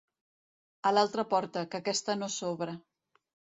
A l'altra porta, que aquesta no s'obre.